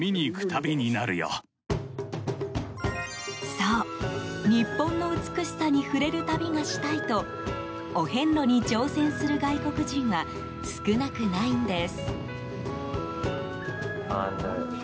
そう、日本の美しさに触れる旅がしたいとお遍路に挑戦する外国人は少なくないんです。